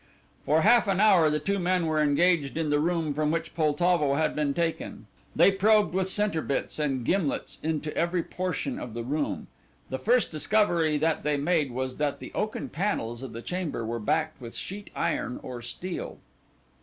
For half an hour the two men were engaged in the room from which Poltavo had been taken. They probed with centre bits and gimlets into every portion of the room. The first discovery that they made was that the oaken panels of the chamber were backed with sheet iron or steel.